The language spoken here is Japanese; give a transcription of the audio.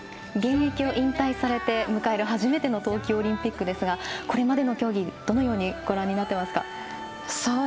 現役を引退されて迎える初めての冬季オリンピックですがこれまでの競技、どのようにご覧になっていますか？